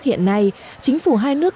hiện nay chính phủ hai nước